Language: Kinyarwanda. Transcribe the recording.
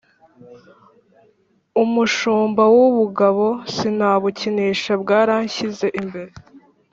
umushumba w’ubugabo sinabukinisha bwaranshyize imbere